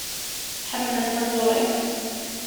Tḥemmlem taẓuri?